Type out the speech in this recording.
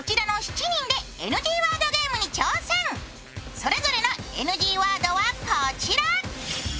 それぞれのＮＧワードはこちら。